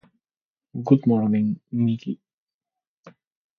Good Morning, Mickey!